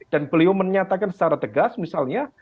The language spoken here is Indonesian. dan beliau menyatakan secara tegas misalnya